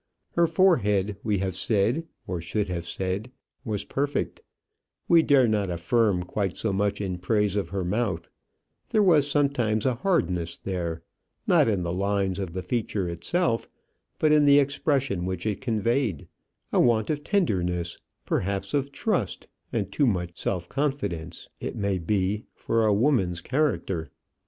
Her forehead we have said, or should have said, was perfect; we dare not affirm quite so much in praise of her mouth: there was sometimes a hardness there, not in the lines of the feature itself, but in the expression which it conveyed, a want of tenderness, perhaps of trust, and too much self confidence, it may be, for a woman's character.